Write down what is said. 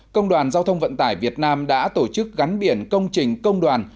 công đoàn giao thông vận tải việt nam đã tổ chức gắn biển công trình công đoàn